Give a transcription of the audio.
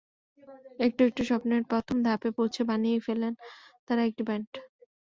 একটু একটু করে স্বপ্নের প্রথম ধাপে পৌঁছে বানিয়েই ফেললেন তাঁরা একটি ব্যান্ড।